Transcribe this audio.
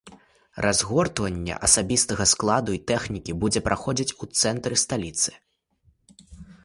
Разгортванне асабістага складу і тэхнікі будзе праходзіць у цэнтры сталіцы.